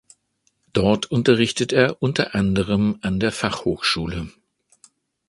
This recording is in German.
Dort unterrichtet er unter anderem an der Fachhochschule.